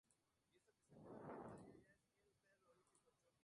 Hubo algunos heridos.